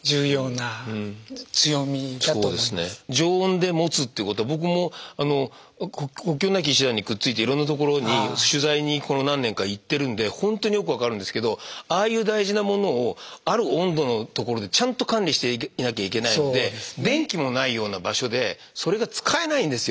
常温でもつっていうことは僕も国境なき医師団にくっついていろんな所に取材にこの何年か行ってるんでほんとによく分かるんですけどああいう大事なものをある温度のところでちゃんと管理していなきゃいけないので電気もないような場所でそれが使えないんですよ。